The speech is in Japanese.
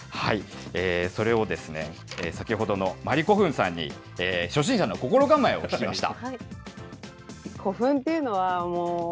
それを先ほどのまりこふんさんに、初心者の心構えを聞きました。